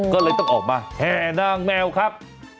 ก็เลยต้องออกมาแห่นางแมวครับ